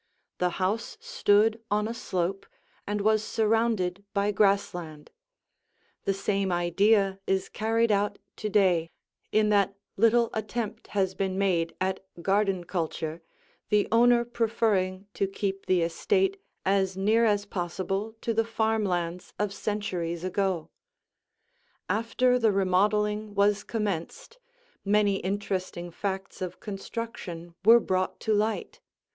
The house stood on a slope and was surrounded by grass land; the same idea is carried out to day, in that little attempt has been made at garden culture, the owner preferring to keep the estate as near as possible to the farm lands of centuries ago. After the remodeling was commenced, many interesting facts of construction were brought to light.